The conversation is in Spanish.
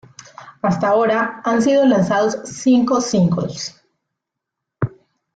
Hasta ahora, han sido lanzados cinco singles.